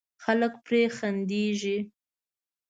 خلک پرې خندېږي.